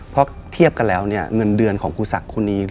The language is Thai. เพราะเทียบกันแล้วเงินเดือนของครูสัตว์ครูนี้